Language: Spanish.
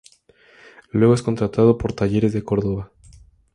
Luego es contratado por Talleres de Córdoba.